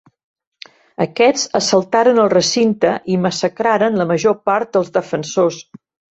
Aquests assaltaren el recinte i massacraren la major part dels defensors.